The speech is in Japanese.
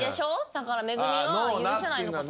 だからメグミは許せないのかと。